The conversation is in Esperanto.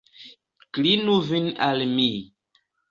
Klinu vin al mi!